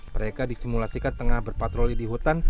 mereka disimulasikan tengah berpatroli di hutan